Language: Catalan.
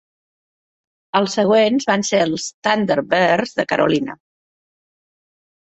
Els següents van ser els Thunderbirds de Carolina.